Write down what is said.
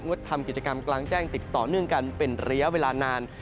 ทำกิจกรรมกลางแจ้งติดต่อเนื่องกันเป็นระยะเวลานาน